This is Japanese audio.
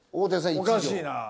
おかしいな。